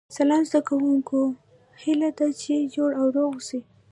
سلام زده کوونکو هیله ده چې جوړ او روغ اوسئ